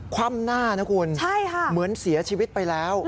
คว่ำหน้านะคุณเหมือนเสียชีวิตไปแล้ว